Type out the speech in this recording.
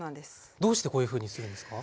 どうしてこういうふうにするんですか？